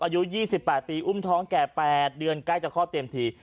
อายุยี่สิบแปดปีอุ้มท้องแก่แปดเดือนใกล้จากข้อเตรียมที